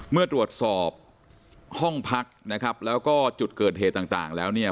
เมื่อตรวจสอบห้องพักนะครับแล้วก็จุดเกิดเหตุต่างแล้วเนี่ย